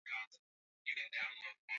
taifa Mwaka elfumoja miatisa arobaini na moja